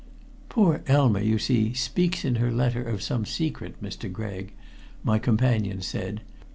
"Poor Elma, you see, speaks in her letter of some secret, Mr. Gregg," my companion said.